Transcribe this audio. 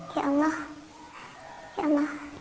ya allah ya allah